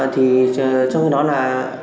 thì trong khi đó là